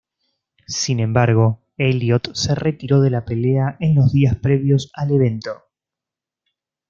Sin embargo, Elliott se retiró de la pelea en los días previos al evento.